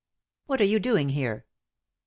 " What are you doing here ?